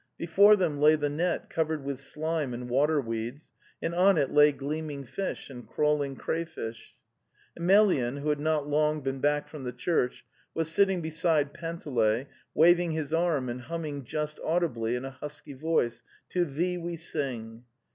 Before them lay the net covered with slime and water weeds, and on it lay gleaming fish and crawling crayfish. Emelyan, who had not long been back from the church, was sitting beside Panteley, waving his arm and humming just audibly in a husky voice: '' To Thee we sing.